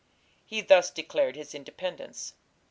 He thus declared his independence.